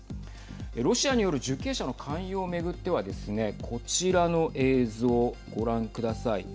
ロシアによる受刑者の勧誘を巡ってはですねこちらの映像、ご覧ください。